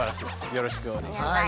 よろしくお願いします。